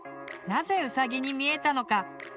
なぜウサギに見えたのか？